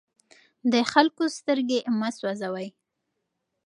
د خلکو سترګې مه سوځوئ.